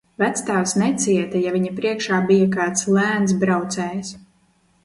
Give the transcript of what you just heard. Vectēvs necieta, ja viņa priekšā bija kāds lēns braucējs.